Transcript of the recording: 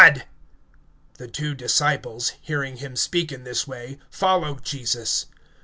(37)And the two disciples heard him speak, and they followed Jesus.